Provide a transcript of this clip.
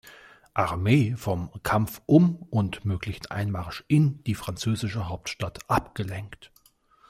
Armee vom Kampf um und möglichen Einmarsch in die französische Hauptstadt abgelenkt.